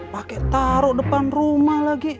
pakai taruh depan rumah lagi